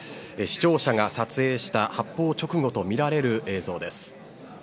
視聴者が撮影した発砲直後とみられる映像です。